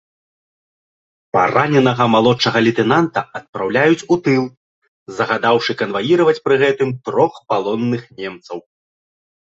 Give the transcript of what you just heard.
Параненага малодшага лейтэнанта адпраўляюць у тыл, загадаўшы канваіраваць пры гэтым трох палонных немцаў.